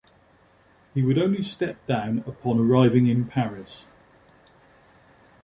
He would only step down upon arriving in Paris.